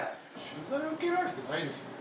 取材受けられてないですよね？